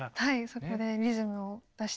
そこでリズムを出してるのと。